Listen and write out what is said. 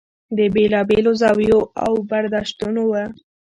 د بېلا بېلو زاویو او برداشتونو و.